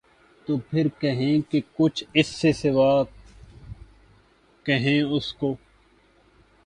تو پھر کہیں کہ کچھ اِس سے سوا کہیں اُس کو